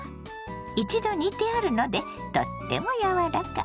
一度煮てあるのでとっても柔らか。